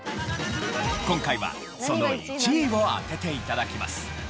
今回はその１位を当てて頂きます。